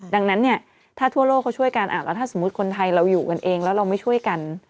ดังนั้นเนี่ยถ้าทั่วโลกเขาช่วยกันแล้วถ้าสมมุติคนไทยเราอยู่กันเองแล้วเราไม่ช่วยกัน